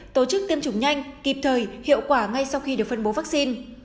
tổ chức tiêm chủng nhanh kịp thời hiệu quả ngay sau khi được phân bố vaccine